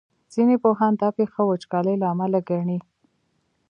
ځینې پوهان دا پېښه وچکالۍ له امله ګڼي.